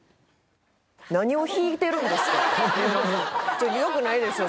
ちょっとよくないですよ